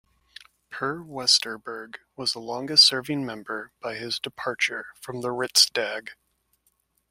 Per Westerberg was the longest serving member by his departure from the Riksdag.